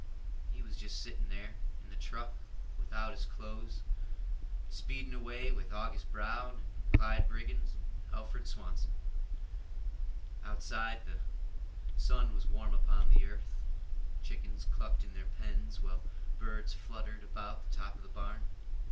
He was just sitting there, in the truck, without his clothes, speeding away with August Brown and Clyde Briggs and Alfred Swanson. Outside, the sun was warm upon the earth. Chickens clucked in their pens, while birds fluttered about the top of the barn.